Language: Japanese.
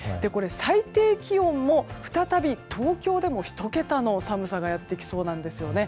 最低気温も、再び東京でも１桁の寒さがやってきそうなんですよね。